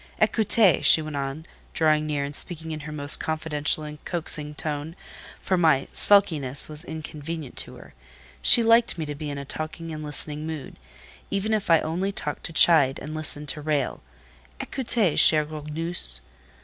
"Ecoutez!" she went on, drawing near and speaking in her most confidential and coaxing tone; for my "sulkiness" was inconvenient to her: she liked me to be in a talking and listening mood, even if I only talked to chide and listened to rail. "Ecoutez, chère grogneuse!